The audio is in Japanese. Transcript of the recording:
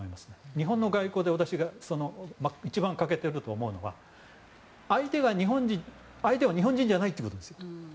日本の外交で一番欠けていると思うのが相手が日本人じゃないってことです。